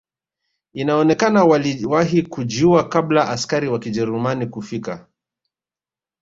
Inaonekana waliwahi kujiua kabla ya askari wa kijerumani kufika